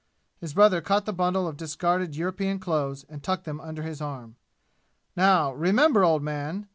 His brother caught the bundle of discarded European clothes and tucked them under his arm. "Now, re member, old man!